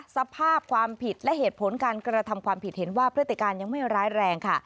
สภาพความผิดและเหตุผลการกระทำความผิดเห็นว่าพฤติการยังไม่ร้ายแรงค่ะ